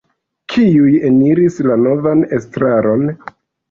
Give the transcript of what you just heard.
Kiuj eniris la novan estraron?